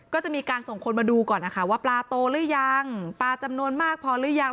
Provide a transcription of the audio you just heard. ก็จะมีการส่งคนมาดูก่อนนะคะว่าปลาโตหรือยังปลาจำนวนมากพอหรือยัง